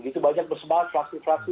begitu banyak bersebar fraksi fraksi